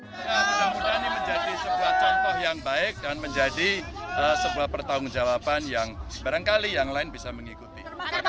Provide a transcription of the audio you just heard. mudah mudahan ini menjadi sebuah contoh yang baik dan menjadi sebuah pertanggung jawaban yang barangkali yang lain bisa mengikuti